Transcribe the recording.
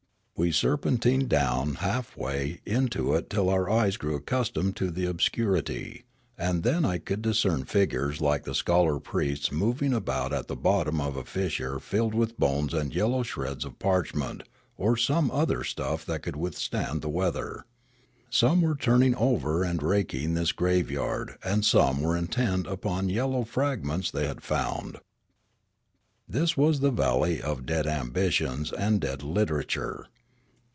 We serpentined down half way into it till our ej es grew accustomed to the obscurity ; and then I could discern figures like the scholar priests moving about at the bottom of a fissure filled with bones and yellow shreds of parchment or some other stuff that could withstand the weather. Some were turning over and raking this graveyard and some were intent upon yel low fragments they had found. This was the valley of dead ambitions and dead lit erature.